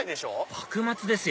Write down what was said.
幕末ですよ